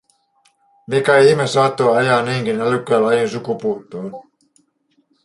Mikä ihme saattoi ajaa niinkin älykkään lajin sukupuuttoon?